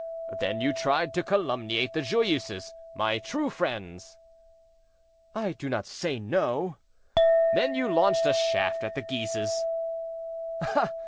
"Then you tried to calumniate the Joyeuses, my true friends." "I do not say no." "Then you launched a shaft at the Guises."